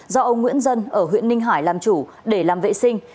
do ông nguyễn dân ở huyện ninh hải làm chủ để làm vệ sinh